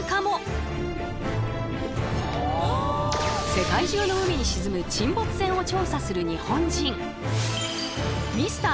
世界中の海に沈む沈没船を調査する日本人。